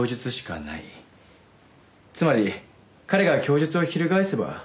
つまり彼が供述を翻せば。